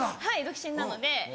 はい独身なので。